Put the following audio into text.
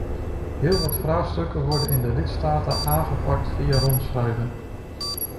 Heel wat vraagstukken worden in de lidstaten aangepakt via rondschrijven.